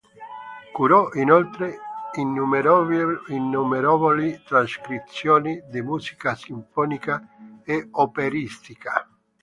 Curò, inoltre, innumerevoli trascrizioni di musica sinfonica e operistica.